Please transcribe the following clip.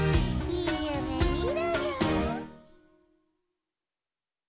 「」「」「」「」「」「いいゆめみろよ☆」